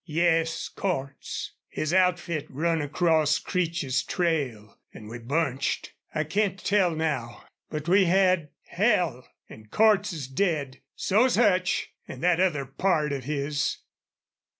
"Yes, Cordts.... His outfit run across Creech's trail an' we bunched. I can't tell now.... But we had hell! An' Cordts is dead so's Hutch an' that other pard of his....